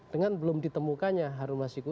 dengan belum ditemukannya harun masiku